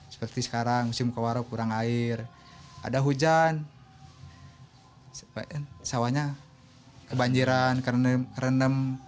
seperti sekarang musim kemarau kurang air ada hujan sawahnya kebanjiran kerenem